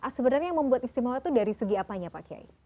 sebenarnya yang membuat istimewa itu dari segi apanya pak kiai